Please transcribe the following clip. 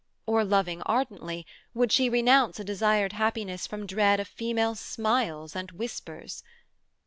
Or, loving ardently, would she renounce a desired happiness from dread of female smiles and whispers?